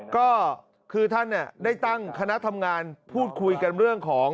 ก็คือท่านได้ตั้งคณะทำงานพูดคุยกันเรื่องของ